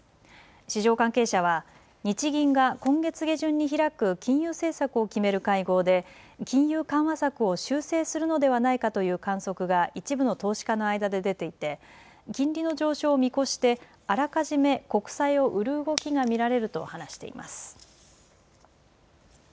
市場関係者は、日銀が今月下旬に開く金融政策を決める会合で、金融緩和策を修正するのではないかという観測が一部の投資家の間で出ていて、金利の上昇を見越して、あらかじめ国債を売る動きが見られると話しています。